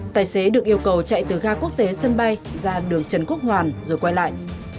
tài xế được yêu cầu chạy từ ga quốc tế sân bay ra đường trần quốc hoàn rồi quay lại